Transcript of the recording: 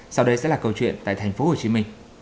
sau đây sẽ là câu chuyện tại tp hcm